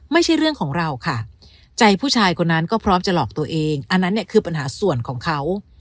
ไม่ใช่เรื่องของเราค่ะใจผู้ชายคนนั้นก็พร้อมจะหลอกตัวเองอันนั้นเนี่ยคือปัญหาส่วนของเขา